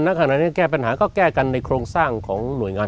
ขณะนี้แก้ปัญหาก็แก้กันในโครงสร้างของหน่วยงาน